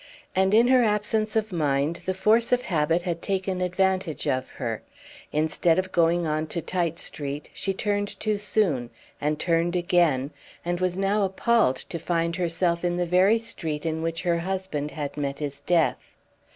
And, in her absence of mind, the force of habit had taken advantage of her; instead of going on to Tite Street, she turned too soon, and turned again, and was now appalled to find herself in the very street in which her husband had met his death.